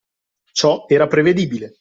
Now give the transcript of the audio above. Ciò era prevedibile